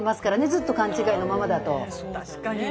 ずっと勘違いのままだと。